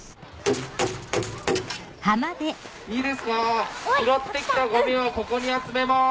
いいですか拾って来たゴミはここに集めます。